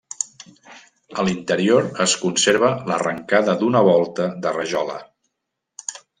A l'interior es conserva l'arrencada d'una volta de rajola.